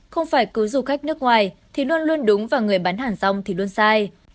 không phải cứ du khách nước ngoài thì luôn luôn đúng và người bán hàng rong thì luôn sai